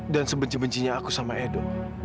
dan sebenci bencinya aku sama edo